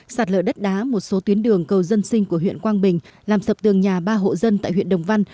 sạt lở đất đá một số tuyến đường cầu dân sinh của huyện quang bình làm sập tường nhà ba hộ dân tại huyện đồng văn